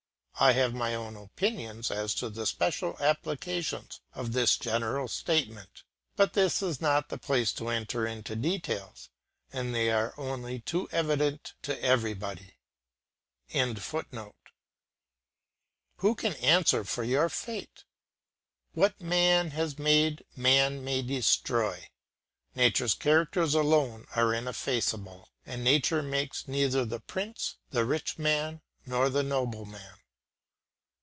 I have my own opinions as to the special applications of this general statement, but this is not the place to enter into details, and they are only too evident to everybody.] Who can answer for your fate? What man has made, man may destroy. Nature's characters alone are ineffaceable, and nature makes neither the prince, the rich man, nor the nobleman.